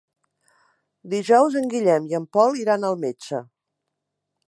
Dijous en Guillem i en Pol iran al metge.